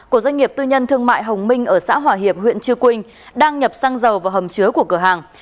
của doanh nghiệp tư nhân thương mại hồng minh ở xã hòa hiệp huyện chư quynh đang nhập xăng dầu vào hầm chứa của cửa hàng